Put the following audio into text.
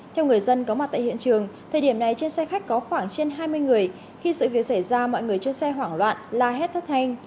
theo người dân có mặt tại hiện trường thời điểm này trên xe khách có khoảng trên hai mươi người khi sự việc xảy ra mọi người cho xe hoảng loạn la hét thất thanh